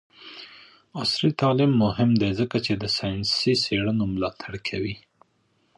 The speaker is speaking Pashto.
عصري تعلیم مهم دی ځکه چې د ساینسي څیړنو ملاتړ کوي.